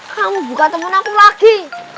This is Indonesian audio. kamu buka teman aku lagi